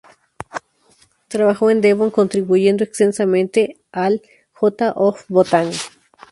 Trabajó en Devon, contribuyendo extensamente al ""J. of Botany"".